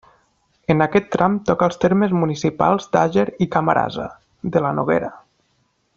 En aquest tram toca els termes municipals d'Àger i Camarasa, de la Noguera.